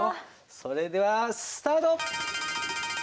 それではスタート！